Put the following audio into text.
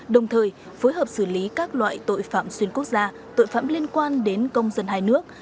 đồng thời phối hợp xử lý các loại tội phạm xuyên quốc gia tội phạm liên quan đến công dân hai nước